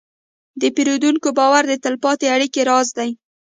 د پیرودونکي باور د تلپاتې اړیکې راز دی.